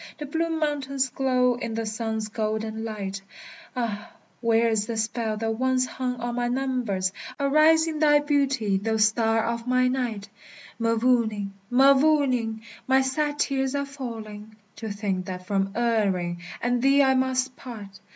The blue mountains glow in the sun's golden light; Ah, where is the spell that once hung on my numbers? Arise in thy beauty, thou star of my night! Mavourneen, Mavourneen, my sad tears are falling, To think that from Erin and thee I must part!